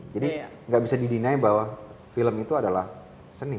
jadi gak bisa didenai bahwa film itu adalah seni